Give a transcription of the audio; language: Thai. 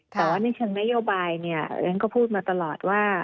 แต่ว่าในเชิงนโยบายเนี่ยฉันก็พูดมาตลอดว่า